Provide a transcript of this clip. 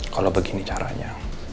kalau begini caranya